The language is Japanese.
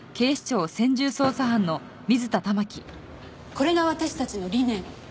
これが私たちの理念。